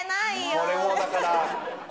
これをだから。